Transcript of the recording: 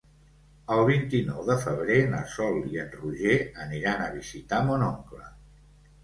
El vint-i-nou de febrer na Sol i en Roger aniran a visitar mon oncle.